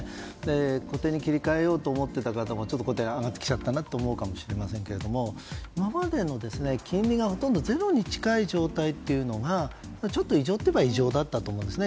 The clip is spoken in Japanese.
固定に切り替えようと思ってた方も上がってきちゃったなと思うかもしれませんが今までの金利がほとんどゼロに近い状態がちょっと異常といえば異常だったと思うんですね。